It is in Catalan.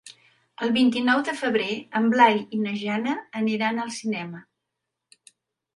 El vint-i-nou de febrer en Blai i na Jana aniran al cinema.